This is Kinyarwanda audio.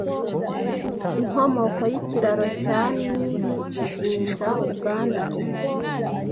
Inkomoko y'Ikiraro cya NiliJinjaUganda